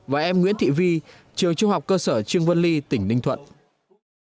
và em nguyễn thị vi trường trung học cơ sở trương vân ly tp hcm